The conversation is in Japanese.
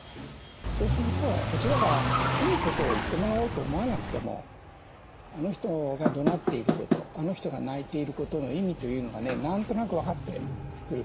そうするとこちらがいいことを言ってもらおうと思わなくてもあの人がどなっていることあの人が泣いていることの意味というのがね何となく分かってくる。